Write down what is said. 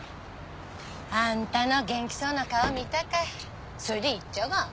あんたの元気そうな顔見たかいそれでいっちゃが。